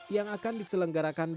yang akan diselenggarakan